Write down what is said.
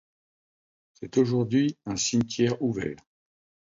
C'est aujourd'hui un cimetière ouvert.